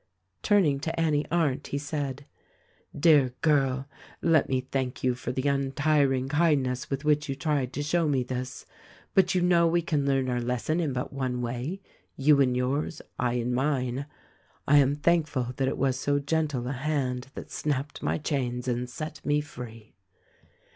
Turning to Annie Arndt he said : "Dear girl, let me thank you for the untiring kindness with which you tried to show me this. But you know we can learn our lesson in but one 236 THE RECORDING ANGEL wa y — you in yours, I in mine. I am thankful that it was so gentle a hand that snapped my chains and set me free."